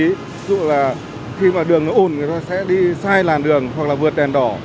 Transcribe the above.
ví dụ là khi mà đường nó ồn người ta sẽ đi sai làn đường hoặc là vượt đèn đỏ